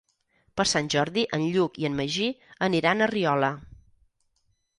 Per Sant Jordi en Lluc i en Magí aniran a Riola.